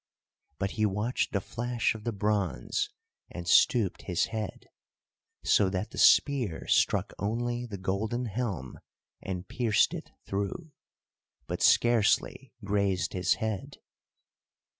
But he watched the flash of the bronze and stooped his head, so that the spear struck only the golden helm and pierced it through, but scarcely grazed his head.